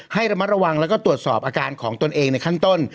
ให้ระมัดระวังแล้วก็ตรวจสอบอาการของตนเองในขั้นต้น